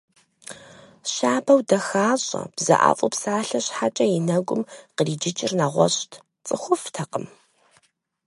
Щабэу дахащӏэ, бзэӏэфӏу псалъэ щхьэкӏэ и нэгум къриджыкӏыр нэгъуэщӏт – цӏыхуфӏтэкъым.